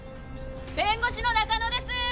弁護士の中埜です！